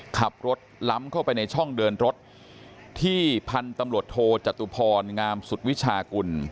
ขับรถล้ำเข้าไปในช่องเดินรถที่พันธุ์ตำรวจโทจตุพรงามสุดวิชากุล